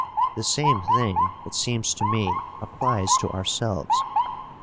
The same thing, it seems to me, applies to ourselves.